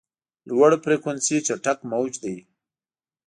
لوړ فریکونسي چټک موج دی.